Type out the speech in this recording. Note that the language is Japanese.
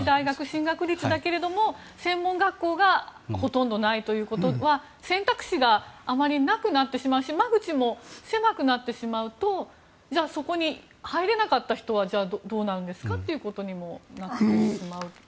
進学率だけれども専門学校がほとんどないということは選択肢があまりなくなってしまうし窓口も狭くなってしまうとそこに入れなかった人はどうなるんですかということにもなってしまうのかなと。